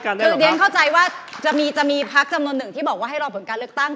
คือเรียนเข้าใจว่าจะมีพักจำนวนหนึ่งที่บอกว่าให้รอผลการเลือกตั้ง